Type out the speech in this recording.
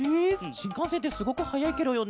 しんかんせんってすごくはやいケロよね？